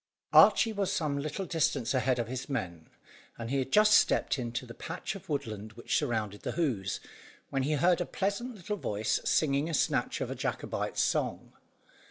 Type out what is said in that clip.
Archy was some little distance ahead of his men, and he had just stepped into the patch of woodland which surrounded the Hoze, when he heard a pleasant little voice singing a snatch of a Jacobite song.